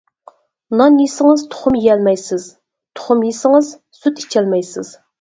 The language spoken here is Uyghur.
نان يېسىڭىز تۇخۇم يېيەلمەيسىز، تۇخۇم يېسىڭىز سۈت ئىچەلمەيسىز.